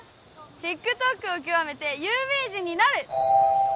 ＴｉｋＴｏｋを極めて有名人になる！！！